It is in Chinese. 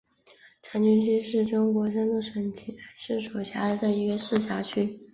长清区是中国山东省济南市所辖的一个市辖区。